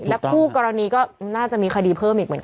และคู่กรณีก็น่าจะมีคดีเพิ่มอีกหนึ่ง